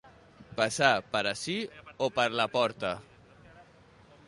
Passar per ací o per la porta.